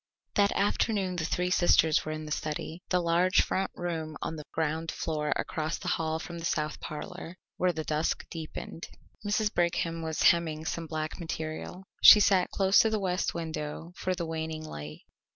That afternoon the three sisters were in the study, the large front room on the ground floor across the hall from the south parlour, when the dusk deepened. Mrs. Brigham was hemming some black material. She sat close to the west window for the waning light.